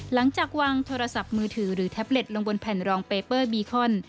หลังจากวางโทรศัพท์มือถือหรือแท็บเล็ตลงบนแผ่นรองเปเปอร์บีคอน